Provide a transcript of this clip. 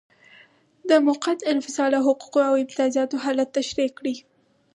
د موقت انفصال او حقوقو او امتیازاتو حالت تشریح کړئ.